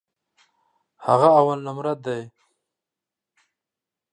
هغه اولنومره دی.